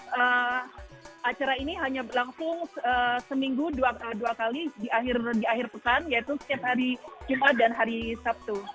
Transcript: karena acara ini hanya langsung seminggu dua kali di akhir pekan yaitu setiap hari juma dan hari sabtu